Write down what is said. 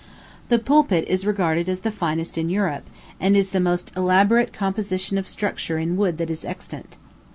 The pulpit is regarded as the finest in Europe, and is the most elaborate composition of sculpture in wood that is extant.